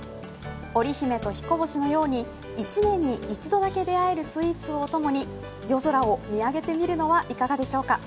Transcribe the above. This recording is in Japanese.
織姫とひこ星のように１年に一度だけ出会えるスイーツをお供に夜空を見上げてみるのはいかがでしょうか。